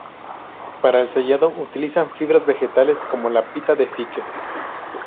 Para el sellado utilizan fibras vegetales como la pita de fique.